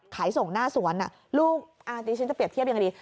ขายส่งหน้าสวนลูกอันนี้ฉันจะเปรียบเทียบยังไงดี